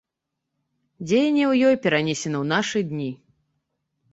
Дзеянне ў ёй перанесена ў нашы дні.